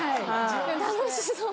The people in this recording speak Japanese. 楽しそう。